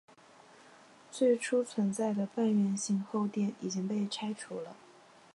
最初存在的半圆形后殿已经被拆除了。